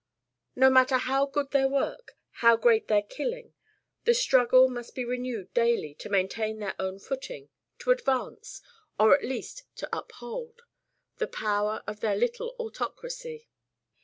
No matter how good their work, how great their "killing," the struggle must be renewed daily to maintain their own footing, to advance, or at least to uphold, the power of their little autocracy.